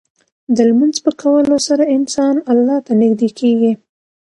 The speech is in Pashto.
د لمونځ په کولو سره انسان الله ته نږدې کېږي.